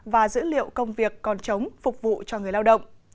và dữ liệu công việc còn chống phục vụ cho người lao động